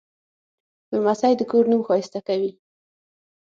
لمسی د کور نوم ښایسته کوي.